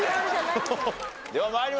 では参ります。